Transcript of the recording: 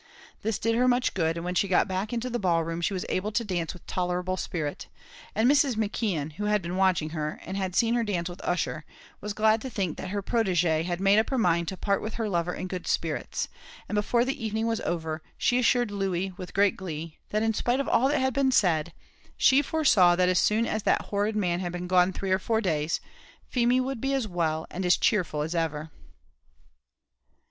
This did her much good, and when she got back into the ball room, she was able to dance with tolerable spirit; and Mrs. McKeon, who had been watching her, and had seen her dance with Ussher, was glad to think that her protegée had made up her mind to part with her lover in good spirits, and before the evening was over she assured Louey, with great glee, that, in spite of all that had been said, she foresaw that as soon as that horrid man had been gone three or four days, Feemy would be as well and as cheerful as ever.